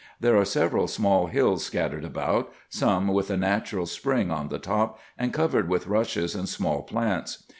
There are several small hills scattered about, some with a natural spring on the top, and covered with rushes and small plants.